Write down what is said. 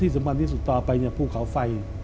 ที่สำคัญที่สุดต่อไปภูเขาไฟ